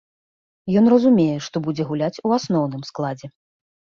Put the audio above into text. Ён разумее, што будзе гуляць у асноўным складзе.